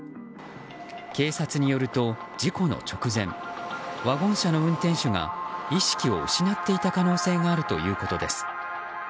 警察によると、事故の直前ワゴン車の運転手が意識を失っていた可能性があるということです。